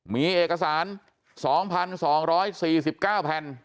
มีเอกสาร๒๒๔๙แผ่น